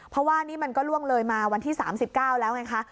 เพราะว่านี่มันก็ล่วงเลยมาวันที่๓๙แล้วไงคะ